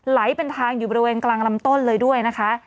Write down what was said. ไหลเป็นทางอยู่บริเวณกลางลำต้นเลยด้วยนะคะ